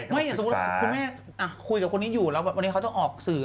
สมมุติคุณแม่คุยกับคนนี้อยู่แล้ววันนี้เขาต้องออกสื่อ